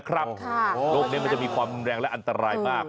โรคนี้มันจะมีความรุนแรงและอันตรายมาก